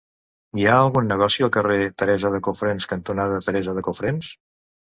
Hi ha algun negoci al carrer Teresa de Cofrents cantonada Teresa de Cofrents?